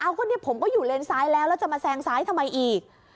ก็เนี่ยผมก็อยู่เลนซ้ายแล้วแล้วจะมาแซงซ้ายทำไมอีก